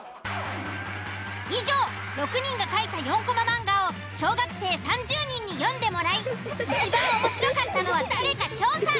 以上６人が書いた４コマ漫画を小学生３０人に読んでもらいいちばん面白かったのは誰か調査。